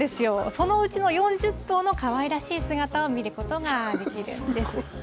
そのうちの４０頭のかわいらしい姿を見ることができるんです。